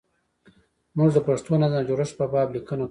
موږ د پښتو نظم د جوړښت په باب لیکنه کوو.